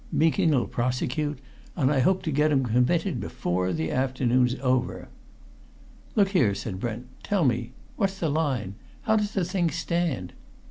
Meeking'll prosecute, and I hope to get 'em committed before the afternoon's over." "Look here," said Brent, "tell me what's the line? How does the thing stand?"